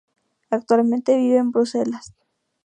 Actualmente, vive en Bruselas.